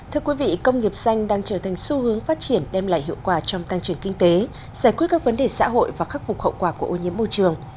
thưa quý vị công nghiệp xanh đang trở thành xu hướng phát triển đem lại hiệu quả trong tăng trưởng kinh tế giải quyết các vấn đề xã hội và khắc phục hậu quả của ô nhiễm môi trường